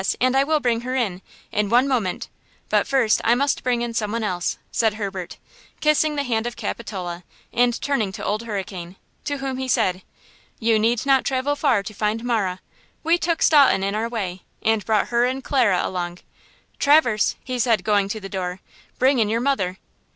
and I will bring her in, in one moment; but first I must bring in some one else," said Herbert, kissing the hand of Capitola and turning to Old Hurricane, to whom he said: "You need not travel far to find Marah. We took Staunton in our way and brought her and Clara along–Traverse!" he said going to the door–" bring in your mother."